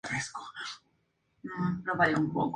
Situado en el noroeste de la isla de Mallorca.